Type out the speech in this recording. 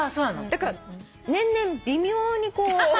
だから年々微妙にこう。